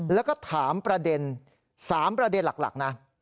แล้วก็ถามประเด็น๓ประเด็นหลักนะ